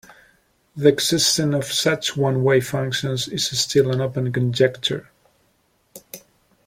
The existence of such one-way functions is still an open conjecture.